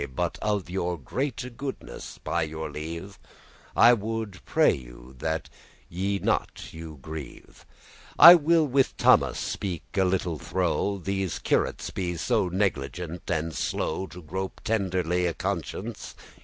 But of your greate goodness, by your leave, I woulde pray you that ye not you grieve, I will with Thomas speak *a little throw:* *a little while* These curates be so negligent and slow To grope tenderly a conscience.